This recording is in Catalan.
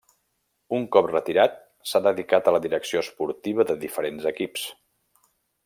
Un cop retirat s'ha dedicat a la direcció esportiva de diferents equips.